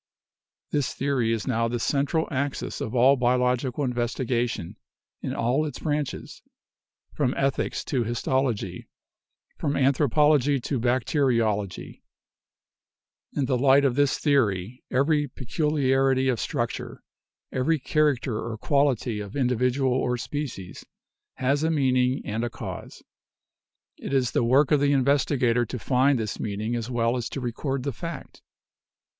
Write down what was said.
This theory is now the central axis of all biological investigation in all its branches, from ethics to histology, from anthropology to bacteriology. In the light of this theory every peculiarity of structure, every character or quality of individual or species, has a meaning and a cause. It is the work of the investigator to find this meaning as well as to record the fact.